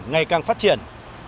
ngày càng phát triển